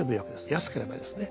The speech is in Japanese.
安ければですね。